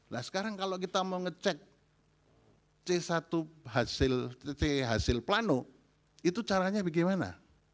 nah sekarang kalau kita mau ngecek c satu hasil plano itu caranya bagaimana